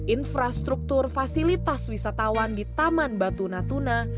infrastruktur fasilitas wisatawan di taman batu natuna